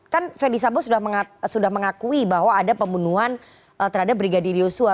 kan ferdisambo sudah mengakui bahwa ada pembunuhan terhadap brigadir yosua